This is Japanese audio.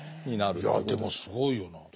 いやでもすごいよな。